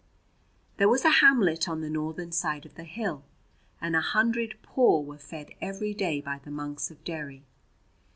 There was a hamlet on the northern side of the hill, and a hundred poor were fed every day by the monks of Derry.